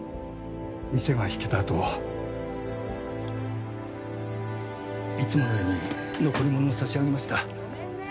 店が引けたあといつものように残り物を差し上げました。